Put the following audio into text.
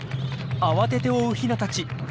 慌てて追うヒナたち。